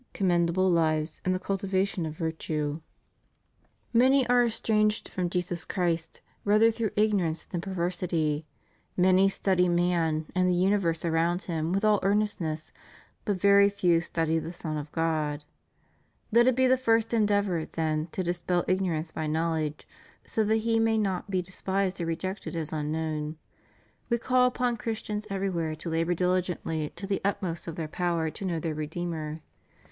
commendable lives and the cultivation of virtue. CHRIST OUR REDEEMER. 477 Many are estranged from Jesus Chrst rather througli ignorance than perversity; many study man and the universe around him with all earnestness, but very few Btudy the Son of God. Let it be the first endeavor, then, to dispel ignorance by knowledge, so that He may not be despised or rejected as unknown. We call upon Chris tians everywhere to labor diligently to the utmost of their power to know their Redeemer.